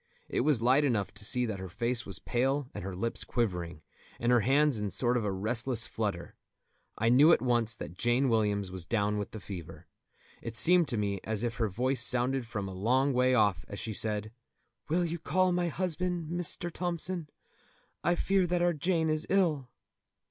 It was light enough to see that her face was pale and her lips quivering, and her hands in a sort of restless flutter. I knew at once that Jane Williams was down with the fever. It seemed to me as if her voice sounded from a long way off as she said: "Will you call my husband, Mr. Thompson? I fear that our Jane is ill."